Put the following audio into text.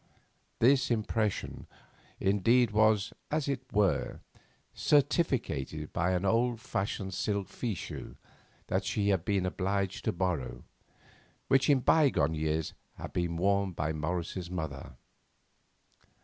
This impression indeed was, as it were, certificated by an old fashioned silk fichu that she had been obliged to borrow, which in bygone years had been worn by Morris's mother.